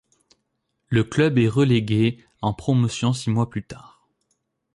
Le club est relégué en Promotion six mois plus tard.